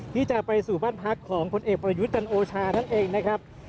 ที่จะไปสู่บ้านพักของผลเอกประยุทธ์จันโอชานั่นเองนะครับ